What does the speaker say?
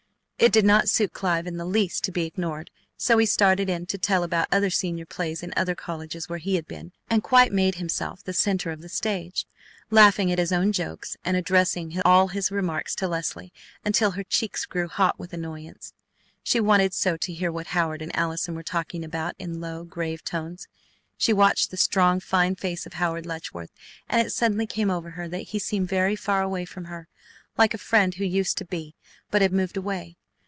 It did not suit Clive in the least to be ignored, so he started in to tell about other senior plays in other colleges where he had been and quite made himself the centre of the stage, laughing at his own jokes and addressing all his remarks to Leslie until her cheeks grew hot with annoyance. She wanted so to hear what Howard and Allison were talking about in low, grave tones. She watched the strong, fine face of Howard Letchworth, and it suddenly came over her that he seemed very far away from her, like a friend who used to be, but had moved away.